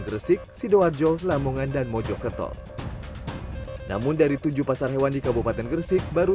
gresik sidoarjo lamongan dan mojokerto namun dari tujuh pasar hewan di kabupaten gresik baru